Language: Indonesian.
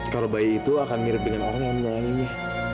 kalau bayi itu akan mirip dengan orang yang menanganinya